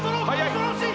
恐ろしい！